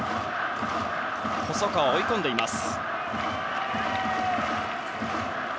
細川を追い込んでいます。